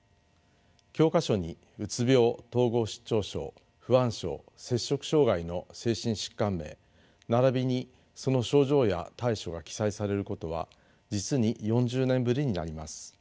教科書にうつ病統合失調症不安症摂食障害の精神疾患名ならびにその症状や対処が記載されることは実に４０年ぶりになります。